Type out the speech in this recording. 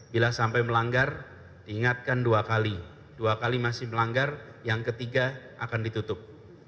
bila sampai melanggar diingatkan dua kali dua kali masih melanggar yang ketiga akan ditutup